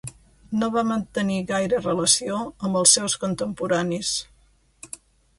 No va mantenir gaire relació amb els seus contemporanis.